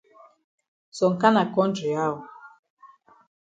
Some kana kontry how?